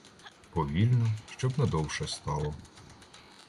Повільно, щоб на довше стало.